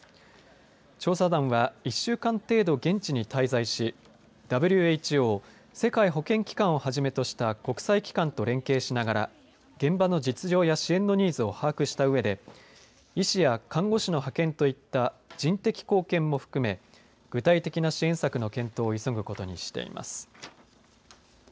調査団は１週間程度現地に滞在しＷＨＯ世界保健機関をはじめとした国際機関と連携しながら現場の実情や支援のニーズを把握したうえで医師や看護師の派遣といった人的貢献も含め具体的な支援策の検討を急ぐことにしています。